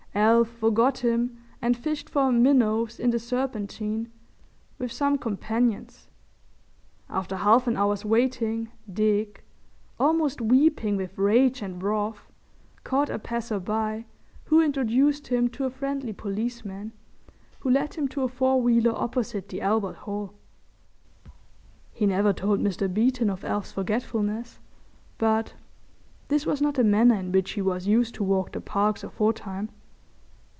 Alf forgot him and fished for minnows in the Serpentine with some companions. After half an hour's waiting Dick, almost weeping with rage and wrath, caught a passer by, who introduced him to a friendly policeman, who led him to a four wheeler opposite the Albert Hall. He never told Mr. Beeton of Alf's forgetfulness, but... this was not the manner in which he was used to walk the Parks aforetime.